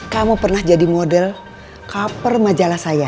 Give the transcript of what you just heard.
kamu pernah jadi model kaper majalah saya